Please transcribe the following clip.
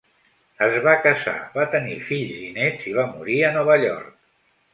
Es va casar, va tenir fills i nets i va morir a Nova York.